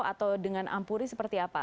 atau dengan ampuri seperti apa